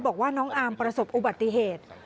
บอกว่าน้องอาร์มประสบอุบัติเหตุ